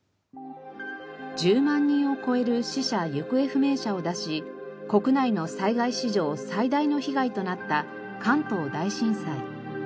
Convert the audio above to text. １０万人を超える死者・行方不明者を出し国内の災害史上最大の被害となった関東大震災。